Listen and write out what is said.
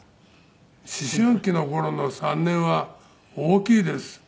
思春期の頃の３年は大きいです。